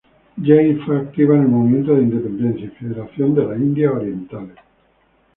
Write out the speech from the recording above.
James, fue activa en el movimiento de independencia y federación de las Indias Orientales.